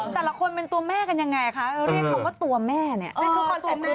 แต่ละคนเป็นตัวแม่กันยังไงคะเรียกคำว่าตัวแม่เนี่ย